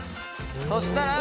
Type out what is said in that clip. そしたら。